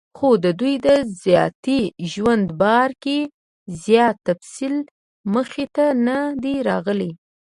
خو دَدوي دَذاتي ژوند باره کې زيات تفصيل مخې ته نۀ دی راغلی